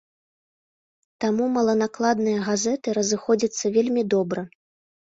Таму маланакладныя газеты разыходзяцца вельмі добра.